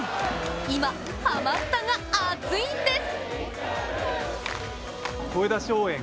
今、ハマスタが熱いんです！